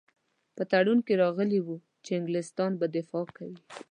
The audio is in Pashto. په تړون کې راغلي وو چې انګلیسیان به دفاع کوي.